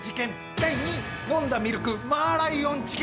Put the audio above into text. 第２位、飲んだミルクマーライオン事件。